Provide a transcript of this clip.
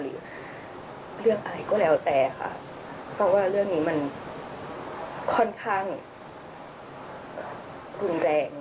หรือเรื่องอะไรก็แล้วแต่ค่ะเพราะว่าเรื่องนี้มันค่อนข้างรุนแรง